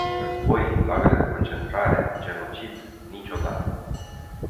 Război, lagăre de concentrare, genocid - niciodată!